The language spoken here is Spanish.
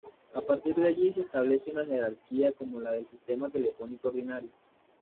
A partir de allí se establece una jerarquía como la del sistema telefónico ordinario.